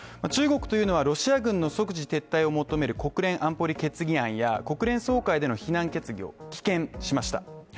中国というのはロシア軍の即時撤退を求める国連安保理決議案や国連総会での非難決議を棄権しました。